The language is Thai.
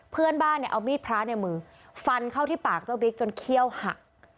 เพื่อนบ้านเนี่ยเอามีดพระในมือฟันเข้าที่ปากเจ้าบิ๊กจนเขี้ยวหัก